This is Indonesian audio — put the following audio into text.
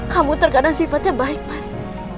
kamu terkadang sifatnya baik mas